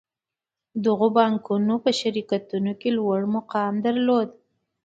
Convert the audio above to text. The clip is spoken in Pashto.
دغو بانکونو په شرکتونو کې لوړ مقام درلود